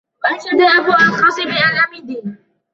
وَأَنْشَدَ أَبُو الْقَاسِمِ الْآمِدِيُّ